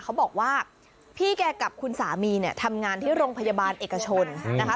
เขาบอกว่าพี่แกกับคุณสามีเนี่ยทำงานที่โรงพยาบาลเอกชนนะคะ